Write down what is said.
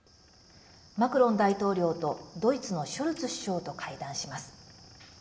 マクロン大統領と、ドイツのショルツ首相と会談します。